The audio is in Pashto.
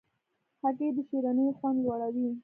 هګۍ د شیرینیو خوند لوړوي.